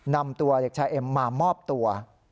นำตัวเด็กชายเอ็มมามอบตัว